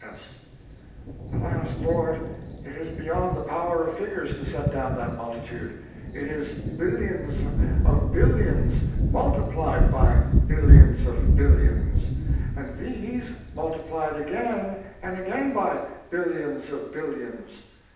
S. Alas, Lord, it is beyond the power of figures to set down that multitude. It is billions of billions multiplied by billions of billions, and these multiplied again and again by billions of billions.